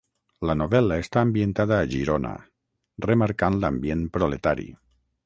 La novel·la està ambientada a Girona, remarcant l'ambient proletari.